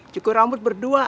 cukur rambut berdua